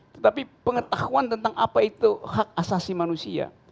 tetapi pengetahuan tentang apa itu hak asasi manusia